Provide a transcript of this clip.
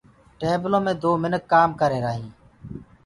ٽيبلو مي دو منک ڪآم ڪرريهرآ هين